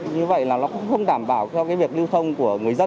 như vậy là nó cũng không đảm bảo cho cái việc lưu thông của người dân